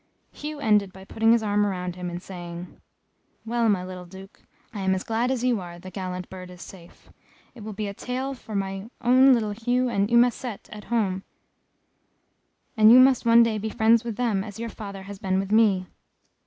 Hugh ended by putting his arm round him, and saying, "Well, my little Duke, I am as glad as you are the gallant bird is safe it will be a tale for my own little Hugh and Eumacette at home and you must one day be friends with them as your father has been with me.